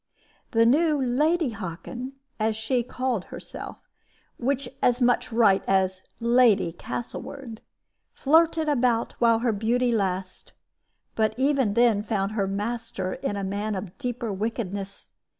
"The new 'Lady Hockin' (as she called herself, with as much right as 'Lady Castlewood') flirted about while her beauty lasted; but even then found her master in a man of deeper wickedness.